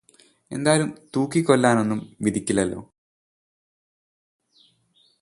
എന്തായാലും തൂക്കിക്കൊല്ലാനൊന്നും വിധിക്കില്ലല്ലോ